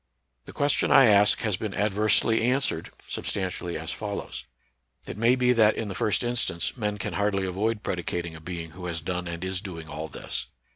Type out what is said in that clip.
The question I ask has been adversely an swered, substantially as follows : It may be that in the first instance men can hardly avoid pred icating a being who has done and is doing all this.